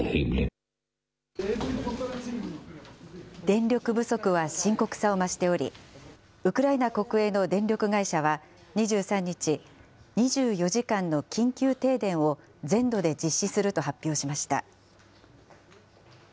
電力不足は深刻さを増しており、ウクライナ国営の電力会社は２３日、２４時間の緊急停電を全土で実施すると発表しました。